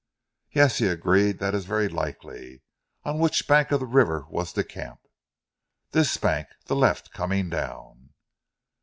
"Yes," he agreed, "that is very likely. On which bank of the river was the camp?" "This bank the left coming down."